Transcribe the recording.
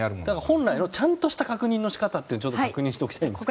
本来の確認の仕方を確認しておきたいんですが。